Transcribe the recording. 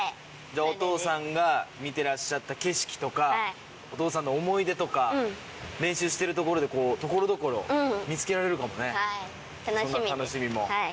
じゃあ、お父さんが見てらっしゃった景色とか、お父さんの思い出とか、練習しているところで、ところどころ見つけられるかもね。